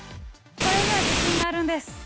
これには自信があるんです！